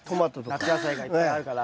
夏野菜がいっぱいあるから。